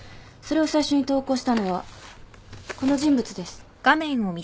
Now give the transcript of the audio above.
それを最初に投稿したのはこの人物です。